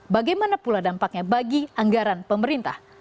bagaimana pula dampaknya bagi anggaran pemerintah